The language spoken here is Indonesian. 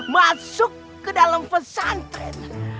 masuk ke dalam pesantren